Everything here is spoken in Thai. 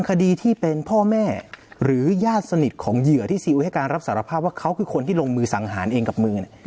เขาคือคนที่ลงมือสังหารเองกับมือ